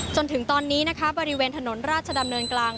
จนถึงตอนนี้นะคะบริเวณถนนราชดำเนินกลาง